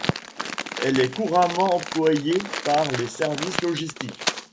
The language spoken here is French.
Elle est couramment employée par les services logistiques.